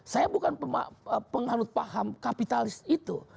saya bukan penganut paham kapitalis itu